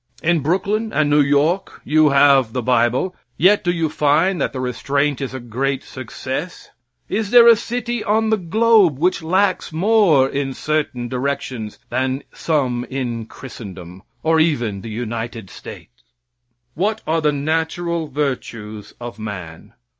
In Brooklyn and New York you have the bible, yet do you find that the restraint is a great success? Is there a city on the globe which lacks more in certain directions than some in Christendom, or even the United States? What are the natural virtues of man?